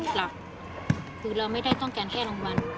ว่าสุดแล้วดีใจคือบางคน